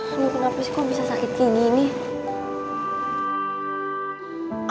aduh kenapa sih kok bisa sakit gigi nih